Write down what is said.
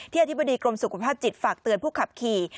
อธิบดีกรมสุขภาพจิตฝากเตือนผู้ขับขี่